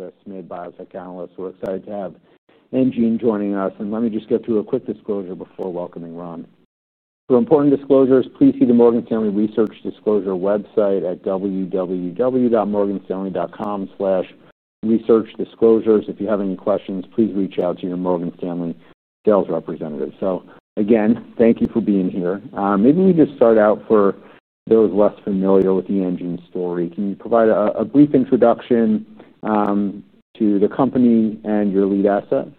That's mid-biosec analyst. We're excited to have enGene joining us. Let me just go through a quick disclosure before welcoming Ron. For important disclosures, please see the Morgan Stanley Research Disclosure website at www.morganstanley.com/researchdisclosures. If you have any questions, please reach out to your Morgan Stanley sales representative. Thank you for being here. Maybe you can just start out for those less familiar with the enGene story. Can you provide a brief introduction to the company and your lead assets?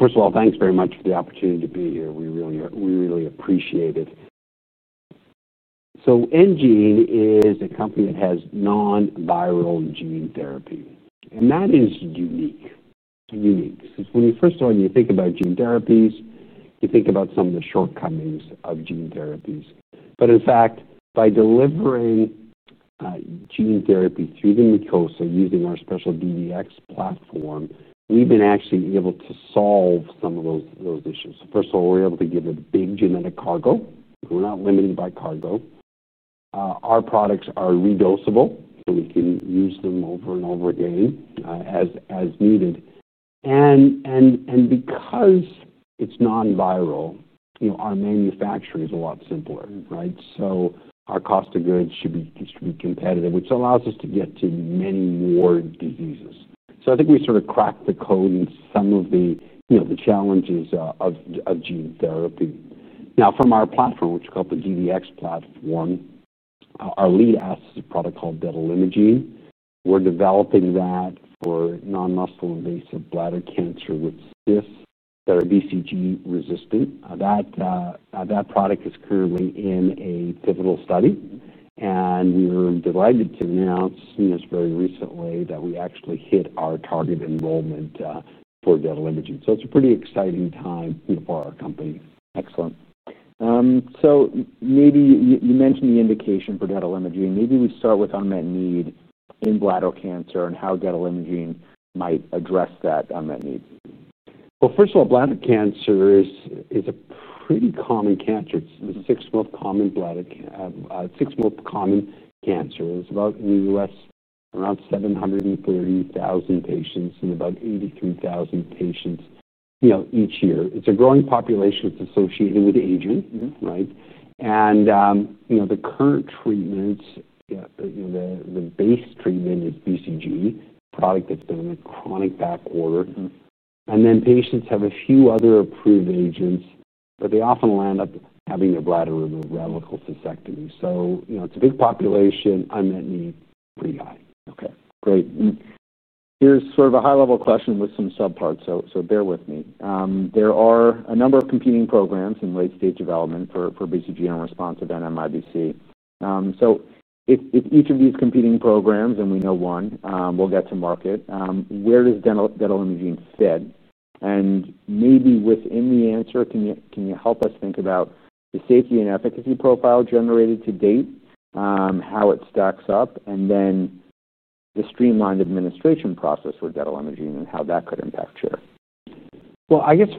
First of all, thanks very much for the opportunity to be here. We really appreciate it. enGene is a company that has non-viral gene therapy, and that is unique. It's unique since when you first start and you think about gene therapies, you think about some of the shortcomings of gene therapies. In fact, by delivering gene therapy to the matrix, using our special Dually Derivatized Oligochitosan (DDX) platform, we've been actually able to solve some of those issues. First of all, we're able to give a big genetic cargo, so we're not limited by cargo. Our products are re-dosable, so we can use them over and over again as needed. Because it's non-viral, our manufacturing is a lot simpler, right? Our cost of goods should be competitive, which allows us to get to many more diseases. I think we sort of cracked the code in some of the challenges of gene therapy. From our platform, which is called the Dually Derivatized Oligochitosan (DDX) platform, our lead asset is a product called detalimogene voraplasmid. We're developing that for non-muscle invasive bladder cancer with carcinoma in situ (CIS). They're Bacillus Calmette-Guérin (BCG) resistant. That product is currently in a pivotal study, and we're delighted to announce it's very recently that we actually hit our target enrollment for detalimogene voraplasmid. It's a pretty exciting time for our company. Excellent. Maybe you mentioned the indication for detalimogene voraplasmid. Maybe we start with unmet need in bladder cancer and how detalimogene voraplasmid might address that unmet need. Bladder cancer is a pretty common cancer. It's the sixth most common cancer. It's about in the U.S., around 780,000 patients and about 82,000 patients each year. It's a growing population that's associated with aging, right? The current treatments, the base treatment is BCG, a product that's been on a chronic back order. Patients have a few other approved agents, but they often end up having their bladder removed via radical cystectomy. It's a big population, unmet need, pretty high. Okay. Great. Here's sort of a high-level question with some subparts, so bear with me. There are a number of competing programs in late-stage development for BCG and a response of NMIBC. If each of these competing programs, and we know one, will get to market, where does detalimogene voraplasmid fit? Maybe within the answer, can you help us think about the safety and efficacy profile generated to date, how it stacks up, and then the streamlined administration process with detalimogene voraplasmid and how that could impact you?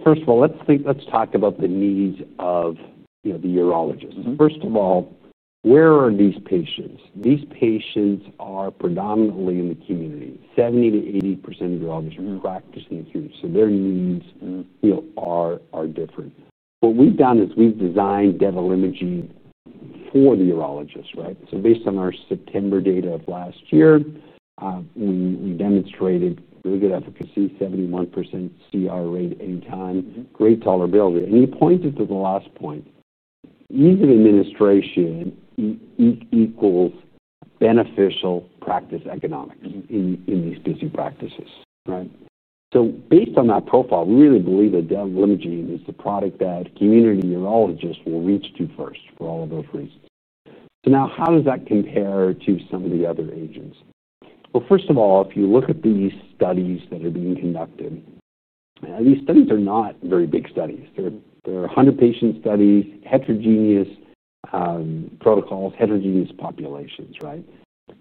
First of all, let's talk about the needs of the urologists. Where are these patients? These patients are predominantly in the community. 70% to 80% of urologists are practicing here. Their needs are different. What we've done is we've designed detalimogene voraplasmid for the urologists, right? Based on our September data of last year, we demonstrated really good efficacy, 71% CR rate anytime, great tolerability. You pointed to the last point. Ease of administration equals beneficial practice economics in these types of practices, right? Based on that profile, we really believe that detalimogene voraplasmid is the product that community urologists will reach to first for all of those reasons. How does that compare to some of the other agents? If you look at these studies that are being conducted, these studies are not very big studies. They're 100-patient studies, heterogeneous protocols, heterogeneous populations, right?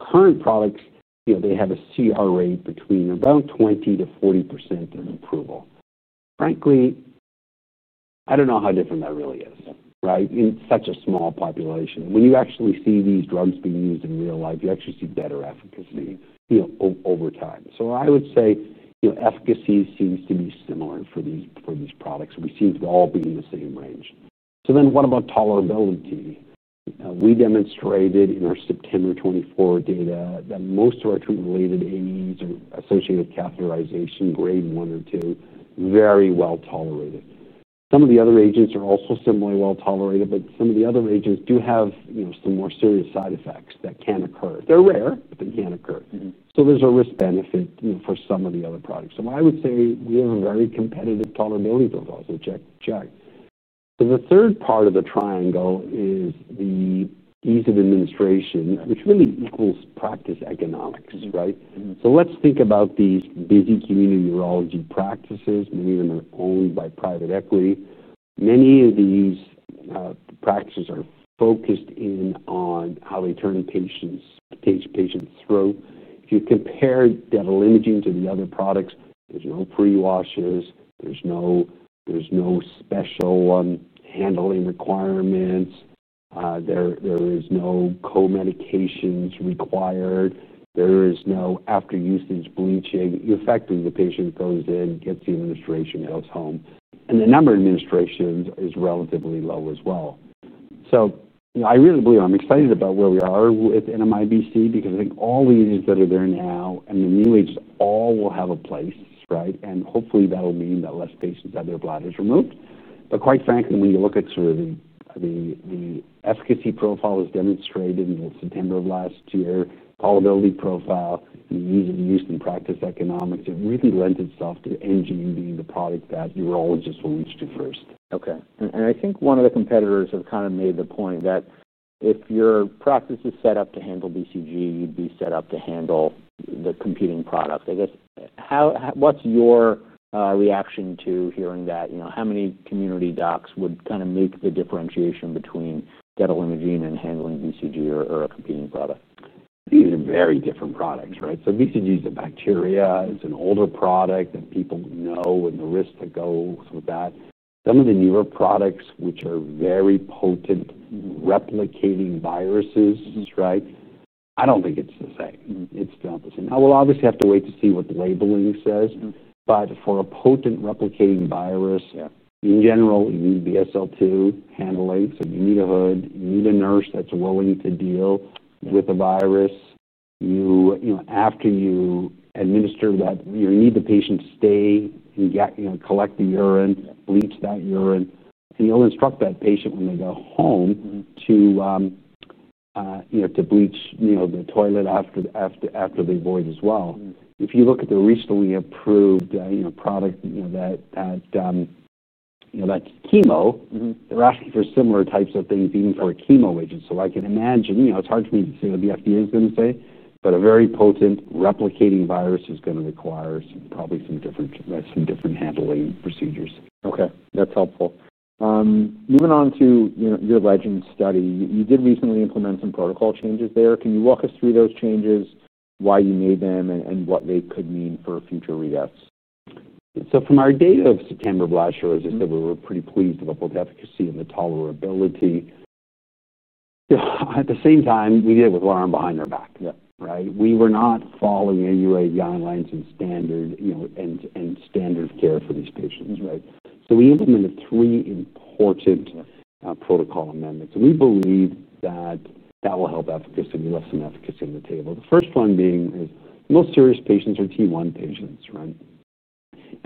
Current products have a CR rate between about 20% to 40% at approval. Frankly, I don't know how different that really is, right? It's such a small population. When you actually see these drugs being used in real life, you actually see better efficacy over time. I would say efficacy seems to be similar for these products. We seem to all be in the same range. What about tolerability? We demonstrated in our September 2024 data that most of our treatment-related AEs are associated with catheterization, grade one or two, very well tolerated. Some of the other agents are also similarly well tolerated, but some of the other agents do have some more serious side effects that can occur. They're rare, but they can occur. There's a risk-benefit for some of the other products. I would say we have a very competitive tolerability profile to check. The third part of the triangle is the ease of administration, which really equals practice economics, right? Let's think about these busy community urology practices, and many of these practices are focused in on how they turn patients through. If you compare detalimogene voraplasmid to the other products, there's no pre-washes, there's no special handling requirements, there is no co-medications required, there is no after-usage bleaching. You effectively, the patient goes in, gets the administration, and goes home. The number of administrations is relatively low as well. I really believe I'm excited about where we are with NMIBC because I think all the agents that are there now and the new agents all will have a place, right? Hopefully, that will mean that less patients have their bladders removed. Quite frankly, when you look at survey, the efficacy profile is demonstrated in the September of last year, tolerability profile, the ease of use and practice economics, it really lent itself to enGene being the product that urologists will reach to first. Okay. I think one of the competitors have kind of made the point that if your practice is set up to handle BCG, you'd be set up to handle the competing product. What's your reaction to hearing that? How many community docs would kind of make the differentiation between detalimogene voraplasmid and handling BCG or a competing product? These are very different products, right? BCG is a bacteria. It's an older product that people know and the risks that go with that. Some of the newer products, which are very potent, are replicating viruses, right? I don't think it's the same. It's not the same. We'll obviously have to wait to see what the labeling says. For a potent replicating virus, in general, you need BSL-2 handling. You need a hood. You need a nurse that's willing to deal with the virus. After you administer that, you need the patient to stay and collect the urine, bleach that urine, and you'll instruct that patient when they go home to bleach the toilet after they void as well. If you look at the recently approved product that's chemo, they're asking for similar types of things even for a chemo agent. I can imagine it's hard for me to say what the FDA is going to say, but a very potent replicating virus is going to require probably some different handling procedures. Okay. That's helpful. Moving on to your LEGEND study, you did recently implement some protocol changes there. Can you walk us through those changes, why you made them, and what they could mean for future re-ups? From our data of September of last year, as I said, we were pretty pleased about both efficacy and the tolerability. At the same time, we did it with one arm behind our back, right? We were not following any guidelines and standard of care for these patients, right? We implemented three important protocol amendments, and we believe that will help efficacy and be less an efficacy on the table. The first one being is most serious patients are T1 patients, right?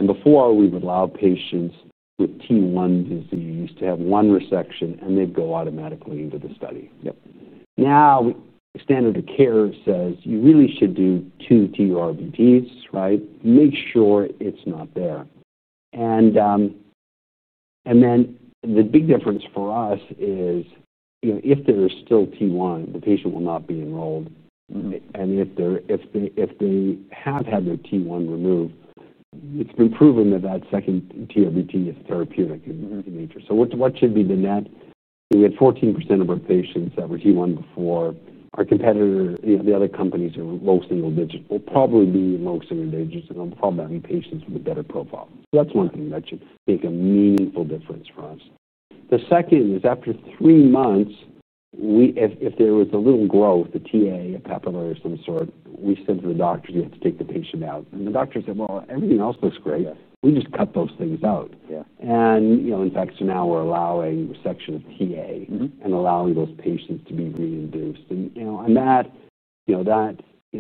Before, we would allow patients with T1 disease to have one resection, and they'd go automatically into the study. Now, the standard of care says you really should do two TURBTs, right? Make sure it's not there. The big difference for us is, if there's still T1, the patient will not be enrolled. If they have had their T1 removed, it's been proven that the second TURBT is therapeutic in nature. What should be the net? You get 14% of our patients that were T1 before. Our competitor, the other companies, are low single digits. We'll probably be low single digits, and I'll probably have patients with a better profile. That's one thing that should make a meaningful difference for us. The second is after three months, if there was a little growth, the TA, a papillary of some sort, we said to the doctors, "You have to take the patient out." The doctor said, "Everything else looks great. We just cut those things out." In fact, now we're allowing resection of TA and allowing those patients to be re-induced.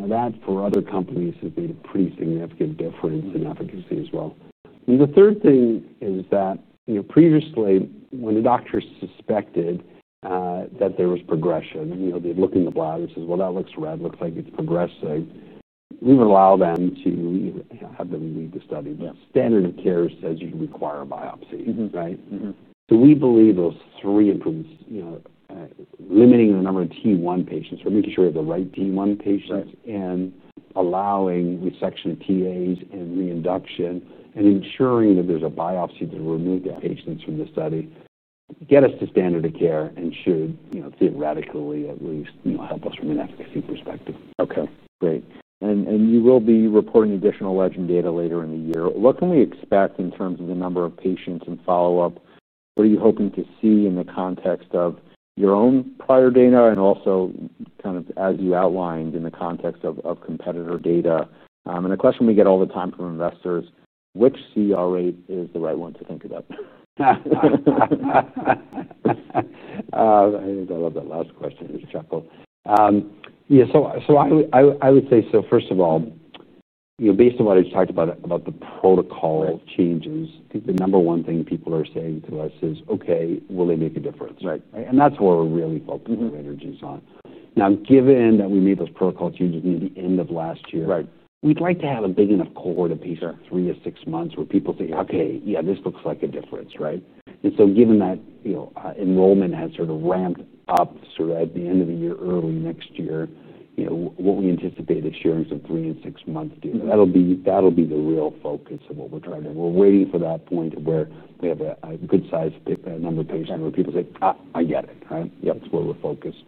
That, for other companies, has made a pretty significant difference in efficacy as well. The third thing is that previously, when a doctor suspected that there was progression, they'd look in the bladder and say, "That looks red. It looks like it's progressing." We would allow them to have them leave the study. Standard of care says you can require a biopsy, right? We believe those three improvements—limiting the number of T1 patients, making sure we have the right T1 patients, allowing resection of TAs and re-induction, and ensuring that there's a biopsy to remove the patients from the study—get us to standard of care and should, theoretically at least, help us from an efficacy perspective. Okay. Great. You will be reporting additional LEGEND data later in the year. What can we expect in terms of the number of patients and follow-up? What are you hoping to see in the context of your own prior data, also as you outlined in the context of competitor data? A question we get all the time from investors, which CR rate is the right one to think about? I think I love that last question. It was chuckled. I would say, first of all, based on what I just talked about, about the protocol changes, I think the number one thing people are saying to us is, "Okay, will they make a difference?" That is where we're really focusing our energies on. Now, given that we made those protocol changes near the end of last year, we'd like to have a big enough cohort of patients, three to six months, where people say, "Okay, yeah, this looks like a difference," right? Given that enrollment had sort of ramped up at the end of the year, early next year, what we anticipated sharing for three and six months data, that'll be the real focus of what we're trying to do. We're waiting for that point where we have a good-sized number of patients where people say, "I get it," right? Yep. That's where we're focused.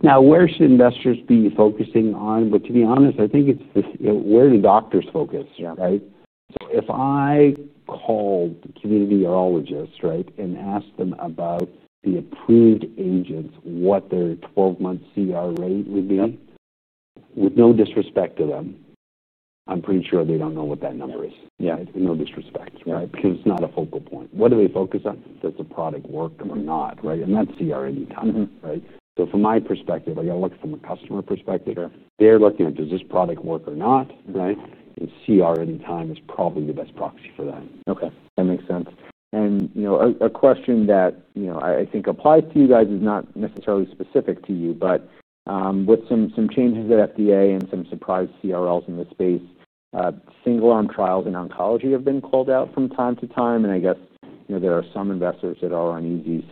Where should investors be focusing on? To be honest, I think it's where do doctors focus, right? If I call the community urologists and ask them about the approved agents, what their 12-month CR rate would be, with no disrespect to them, I'm pretty sure they don't know what that number is. No disrespect, right? Because it's not a focal point. What do they focus on? Does the product work or not, right? That is CR anytime, right? From my perspective, I got to look from a customer perspective. They're looking at, does this product work or not, right? CR anytime is probably the best proxy for that. Okay. That makes sense. A question that I think applies to you guys is not necessarily specific to you, but with some changes at the FDA and some surprise CRLs in this space, single-arm trials in oncology have been called out from time to time. I guess there are some investors that are uneasy.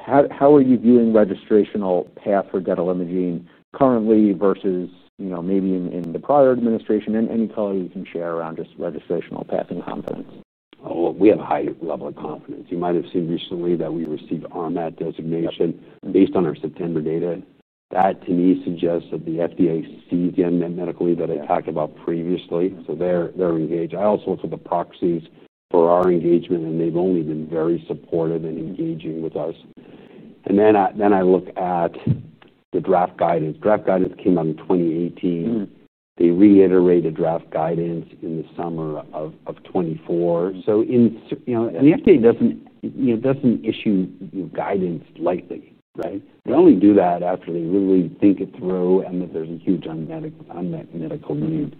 How are you viewing registrational path for detalimogene voraplasmid currently versus maybe in the prior administration? Any color you can share around just registrational path and confidence. Oh, we have a high level of confidence. You might have seen recently that we received that designation based on our September data. That, to me, suggests that the FDA sees the unmet medical need that I talked about previously. They're engaged. I also looked at the proxies for our engagement, and they've only been very supportive and engaging with us. I look at the draft guidance. Draft guidance came out in 2018. They reiterated draft guidance in the summer of 2024. The FDA doesn't issue guidance lightly, right? They only do that after they really think it through and that there's a huge unmet medical need.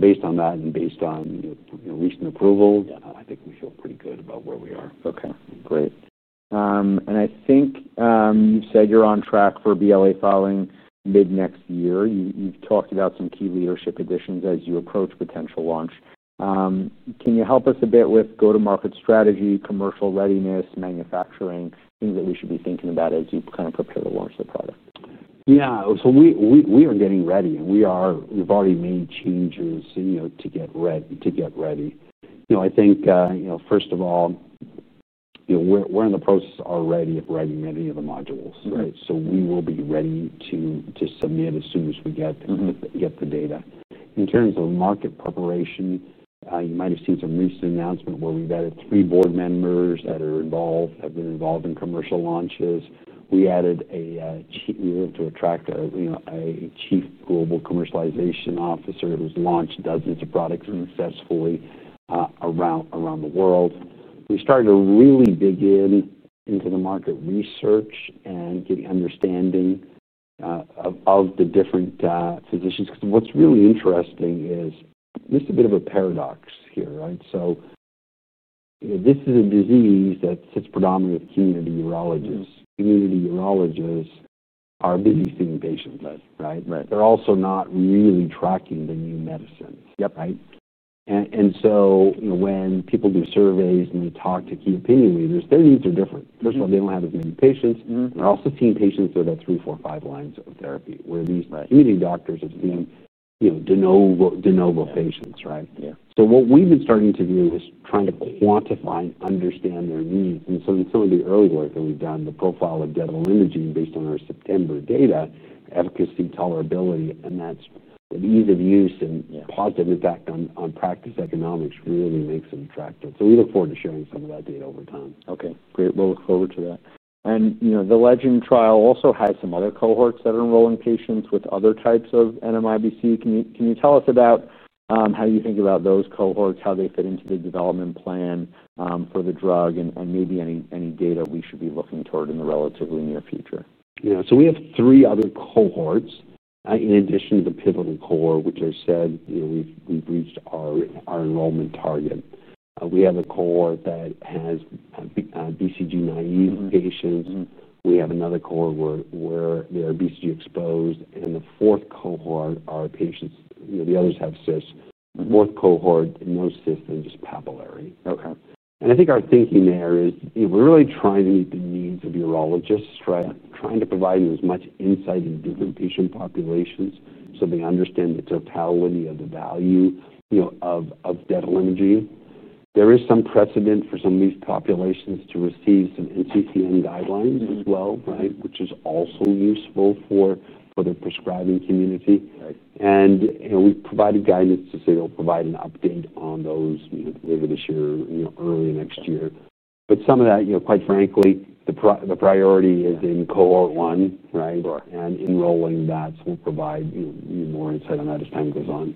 Based on that and based on recent approval, I think we feel pretty good about where we are. Great. I think you said you're on track for BLA filing mid-next year. You've talked about some key leadership additions as you approach potential launch. Can you help us a bit with go-to-market strategy, commercial readiness, manufacturing, things that we should be thinking about as you kind of prepare to launch the product? Yeah. We are getting ready. We've already made changes to get ready. I think, first of all, we're in the process already of writing many of the modules, right? We will be ready to submit as soon as we get the data. In terms of market preparation, you might have seen some recent announcement where we've added three board members that have been involved in commercial launches. We added a Chief Global Commercialization Officer who's launched dozens of products successfully around the world. We're starting to really dig into the market research and getting understanding of the different physicians because what's really interesting is just a bit of a paradox here, right? This is a disease that sits predominantly with community urologists. Community urologists are busy seeing patients' meds, right? They're also not really tracking the new medicines, right? When people do surveys and they talk to key opinion leaders, their needs are different. First of all, they don't have as many patients. They're also seeing patients that are at three, four, five lines of therapy, where these community doctors are seeing de novo patients, right? What we've been starting to do is trying to quantify and understand their needs. In some of the early work that we've done, the profile of detalimogene voraplasmid based on our September data, efficacy, tolerability, and that's the ease of use and positive impact on practice economics, really makes them attractive. We look forward to sharing some of that data over time. Great. We'll look forward to that. The LEGEND study also has some other cohorts that are enrolling patients with other types of NMIBC. Can you tell us about how you think about those cohorts, how they fit into the development plan for the drug, and maybe any data we should be looking toward in the relatively near future? Yeah. We have three other cohorts, in addition to the pivotal cohort, which I said we've reached our enrollment target. We have a cohort that has BCG naive patients. We have another cohort where they're BCG exposed. The fourth cohort are patients, the others have CIS. Fourth cohort, no CIS, and just papillary. I think our thinking there is we're really trying to meet the needs of urologists, right? Trying to provide them as much insight into different patient populations so they understand the totality of the value, you know, of detalimogene voraplasmid. There is some precedent for some of these populations to receive some NCTM guidelines as well, which is also useful for what they're prescribing community. We've provided guidance to say they'll provide an update on those later this year, early next year. Some of that, quite frankly, the priority is in cohort one, right? Enrolling that's going to provide more insight on that as time goes on.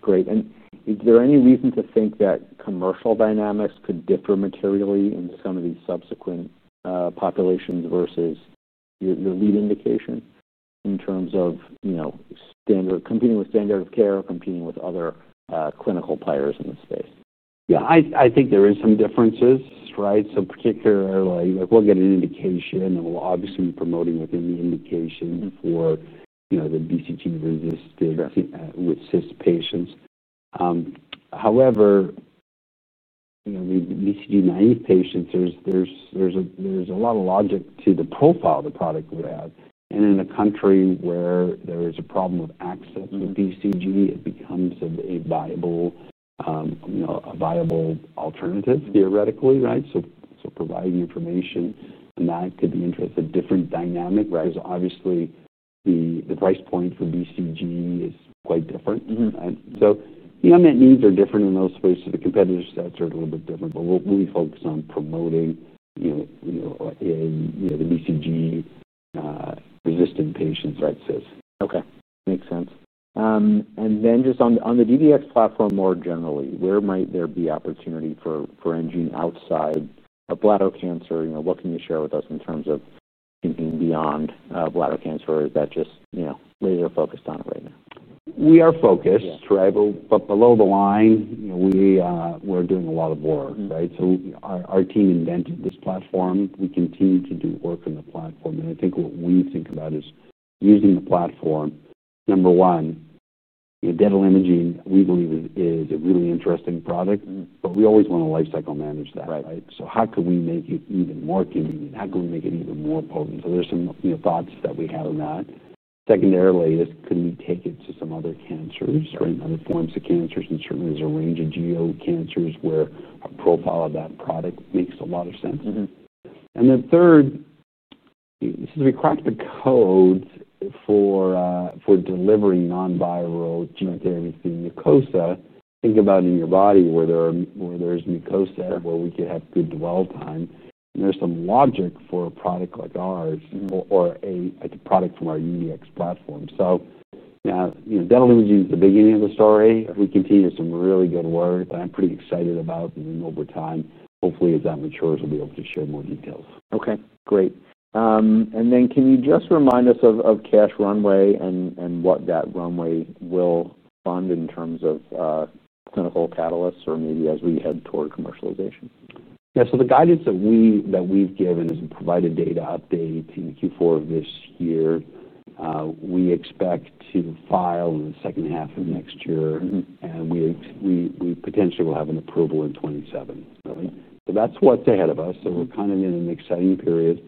Great. Is there any reason to think that commercial dynamics could differ materially in some of these subsequent populations versus your lead indication in terms of standard competing with standard of care or competing with other clinical players in the space? Yeah. I think there are some differences, right? We'll get an indication, and we'll obviously be promoting within the indication for the BCG resistant with CIS patients. However, the BCG naive patients, there's a lot of logic to the profile of the product we have. In a country where there is a problem with access with BCG, it becomes a viable alternative theoretically, right? Providing information on that could be interesting in a different dynamic, right? Obviously, the price point for BCG is quite different, right? The unmet needs are different in those spaces. The competitors' stats are a little bit different, but we'll be focused on promoting the BCG resistant patients, CIS. Okay. Makes sense. And then just on the Dually Derivatized Oligochitosan platform more generally, where might there be opportunity for enGene Holdings Inc. outside of bladder cancer? What can you share with us in terms of thinking beyond bladder cancer, or is that just, you know, laser-focused on it right now? We are focused, right? Below the line, you know, we're doing a lot of work, right? Our team invented this platform. We continue to do work on the platform. I think what we think about is using the platform, number one, you know, detalimogene voraplasmid, we believe it's a really interesting product, but we always want to lifecycle manage that, right? How can we make it even more convenient? How can we make it even more potent? There's some, you know, thoughts that we have on that. Secondarily, could we take it to some other cancers or in other forms of cancers? Certainly, there's a range of GU cancers where the profile of that product makes a lot of sense. Third, since we cracked the codes for delivering non-viral gene therapy to the mucosa, think about in your body where there is mucosa where we could have good dwell time. There's some logic for a product like ours or a product from our Dually Derivatized Oligochitosan platform. Now, you know, detalimogene voraplasmid is the beginning of the story. We continue some really good work that I'm pretty excited about. Over time, hopefully, as that matures, we'll be able to share more details. Okay. Great. Can you just remind us of cash runway and what that runway will fund in terms of clinical catalysts or maybe as we head toward commercialization? Yeah. The guidance that we've given is provided data update in Q4 of this year. We expect to file in the second half of next year, and we potentially will have an approval in 2027. That's what's ahead of us. We're kind of in an exciting period.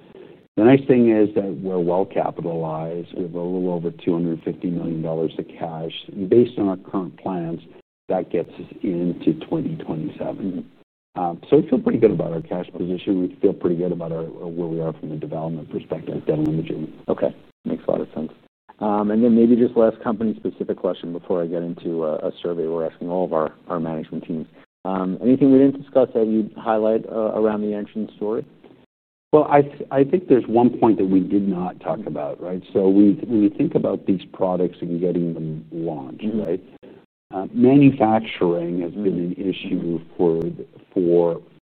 The nice thing is that we're well capitalized. We have a little over $250 million in cash, and based on our current plans, that gets us into 2027. I feel pretty good about our cash position. We feel pretty good about where we are from a development perspective, detalimogene voraplasmid. Okay. Makes a lot of sense. Maybe just last company-specific question before I get into a survey we're asking all of our management team. Anything we didn't discuss that you'd highlight around the enGene story? I think there's one point that we did not talk about, right? When you think about these products and getting them launched, manufacturing has been an issue of course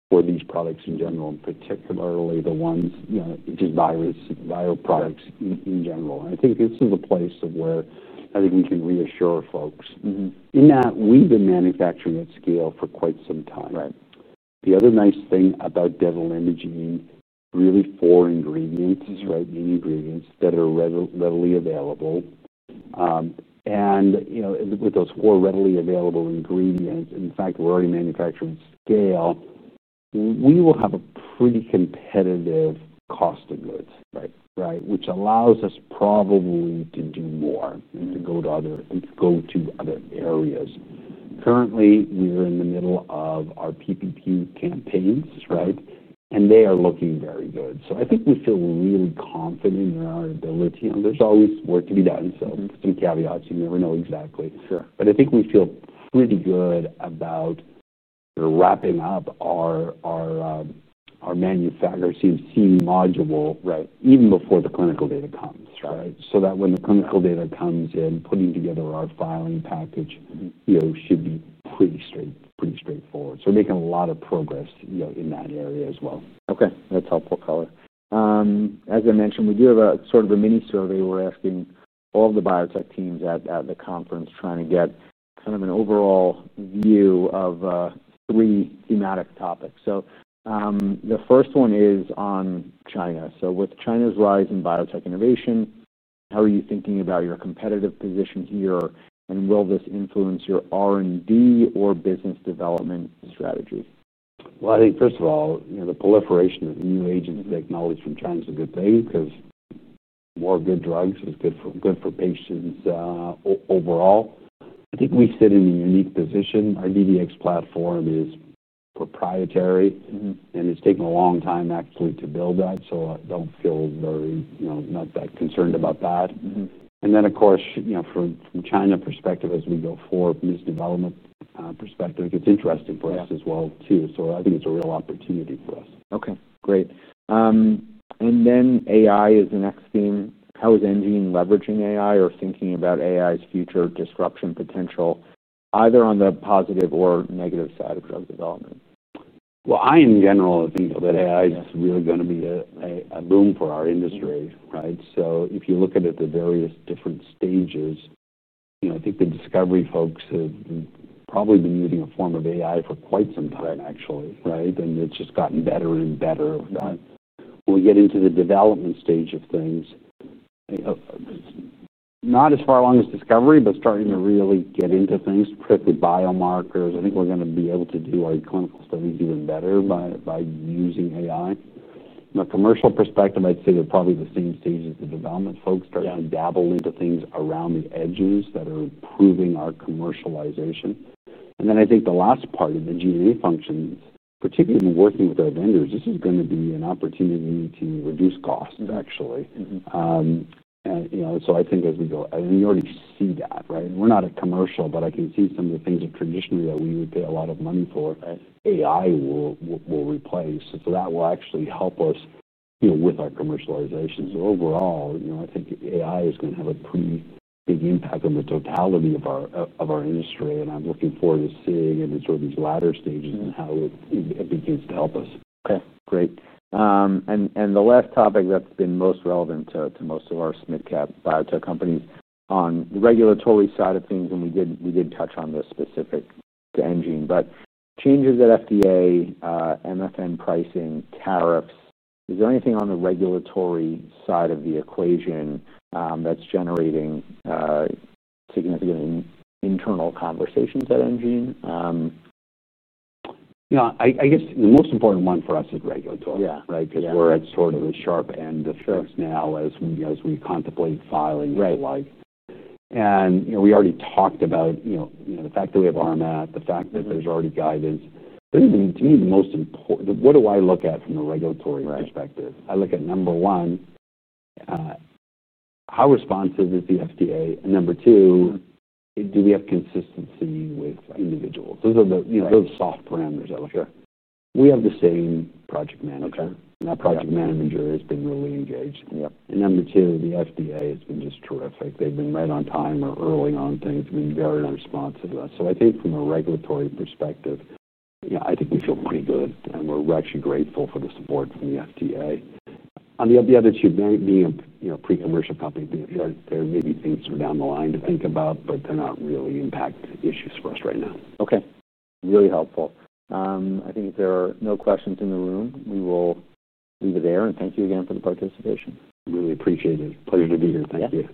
for these products in general, and particularly the ones, you know, just viral products in general. I think this is a place where I think we can reassure folks. In that, we've been manufacturing at scale for quite some time. The other nice thing about detalimogene voraplasmid is really four ingredients, right? The ingredients that are readily available, and you know, with those four readily available ingredients, in fact, we're already manufacturing at scale. We will have a pretty competitive cost of goods, right? Which allows us probably to do more and to go to other areas. Currently, we are in the middle of our PPP campaigns, and they are looking very good. I think we feel really confident in our ability. There's always work to be done. Some caveats, you never know exactly. I think we feel pretty good about wrapping up our manufacturing CMC module, even before the clinical data comes, right? When the clinical data comes in, putting together our filing package should be pretty straightforward. We're making a lot of progress in that area as well. Okay. That's helpful, Color. As I mentioned, we do have a sort of a mini survey we're asking all of the biotech teams at the conference trying to get kind of an overall view of three thematic topics. The first one is on China. With China's rise in biotech innovation, how are you thinking about your competitive position here? Will this influence your R&D or business development strategy? I think, first of all, the proliferation of new agents and technology from China is a good thing because more good drugs are good for patients overall. I think we sit in a unique position. Our Dually Derivatized Oligochitosan (DDX) platform is proprietary, and it's taken a long time, actually, to build that. I don't feel very, you know, not that concerned about that. Of course, from a China perspective, as we go forward from this development perspective, it gets interesting for us as well, too. I think it's a real opportunity for us. Okay. Great. AI is the next theme. How is enGene leveraging AI or thinking about AI's future disruption potential, either on the positive or negative side of drug development? I, in general, think that AI is really going to be a boom for our industry, right? If you look at it at the various different stages, I think the discovery folks have probably been using a form of AI for quite some time, actually, right? It's just gotten better and better. We'll get into the development stage of things. Not as far along as discovery, but starting to really get into things, particularly biomarkers. I think we're going to be able to do our clinical studies even better by using AI. From a commercial perspective, I'd say they're probably the same stage as the development folks, starting to dabble into things around the edges that are moving our commercialization. I think the last part in the GNA functions, particularly in working with our vendors, this is going to be an opportunity to reduce costs, actually. I think as we go, and you already see that, right? We're not a commercial, but I can see some of the things that traditionally we would pay a lot of money for, AI will replace. That will actually help us with our commercialization. Overall, I think AI is going to have a pretty big impact on the totality of our industry. I'm looking forward to seeing it in sort of these latter stages and how it begins to help us. Great. The last topic that's been most relevant to most of our Smithcap biotech companies is on the regulatory side of things. We didn't touch on this specific to enGene, but changes at the FDA, MFN pricing, tariffs. Is there anything on the regulatory side of the equation that's generating significant internal conversations at enGene? I guess the most important one for us is regulatory, right? Because we're at sort of the sharp end of things now as we contemplate filing for, like, right. You know, we already talked about the fact that we have RMAT, the fact that there's already guidance. I think, to me, the most important, what do I look at from the regulatory perspective? I look at, number one, how responsive is the FDA? Number two, do we have consistency with individuals? Those are the soft parameters I look at. We have the same project manager, and that project manager has been really engaged. Number two, the FDA has been just terrific. They've been right on time or early on things. I mean, they're very responsive to us. I think from a regulatory perspective, we feel pretty good. We're actually grateful for the support from the FDA. On the other two, being a pre-commercial company, there may be things that are down the line to think about, but they're not really impacting issues for us right now. Okay. Really helpful. I think if there are no questions in the room, we will leave it there. Thank you again for the participation. Really appreciate it. Pleasure to be here. Thank you.